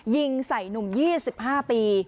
ยิงใส่หนุ่ม๒๕ปี